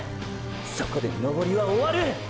そこで登りは終わる！！